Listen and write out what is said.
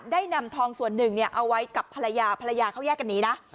นำทองส่วนหนึ่งเอาไว้กับภรรยาภรรยาเขาแยกกันหนีนะ